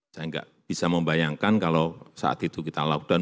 saya nggak bisa membayangkan kalau saat itu kita lockdown